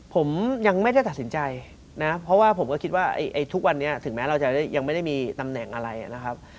ผมยังไม่ได้ตัดสินใจนะเพราะว่าผมก็คิดว่าทุกวันนี้ถึงแม้เราจะยังไม่ได้มีตำแหน่งอะไรนะครับ